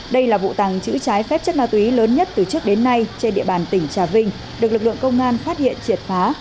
đây là vụ tàng trữ trái phép chất ma túy lớn nhất từ trước đến nay trên địa bàn tỉnh trà vinh được lực lượng công an phát hiện triệt phá